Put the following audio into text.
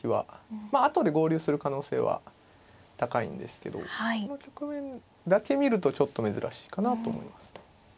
後で合流する可能性は高いんですけどこの局面だけ見るとちょっと珍しいかなと思います。